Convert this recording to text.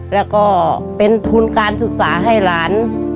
แล้วก็เป็นทุนการศึกษาให้หลาน